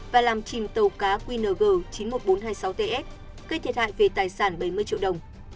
và làm chìm tàu cá qng chín mươi một nghìn bốn trăm hai mươi sáu ts gây thiệt hại về tài sản bảy mươi triệu đồng